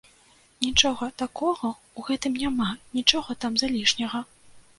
Нічога такога ў гэтым няма, нічога там залішняга.